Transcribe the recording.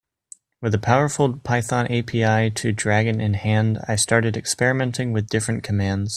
With a powerful Python API to Dragon in hand, I started experimenting with different commands.